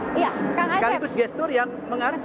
sekaligus gestur yang mengarah ke dua ribu sembilan belas